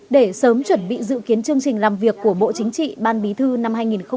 để sớm chuẩn bị dự kiến chương trình làm việc của bộ chính trị ban bí thư năm hai nghìn hai mươi